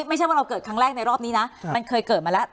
ไม่ใช่ว่าเราเกิดครั้งแรกในรอบนี้นะมันเคยเกิดมาแล้ว